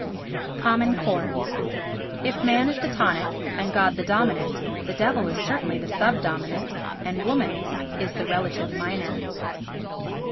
Common Chords If Man is the tonic and God the dominant, the Devil is certainly the sub dominant and Woman is the relative minor.